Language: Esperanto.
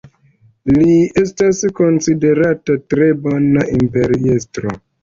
Li estas konsiderata tre bona imperiestro.